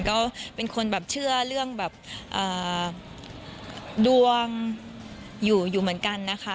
ก็เป็นคนแบบเชื่อเรื่องแบบดวงอยู่เหมือนกันนะคะ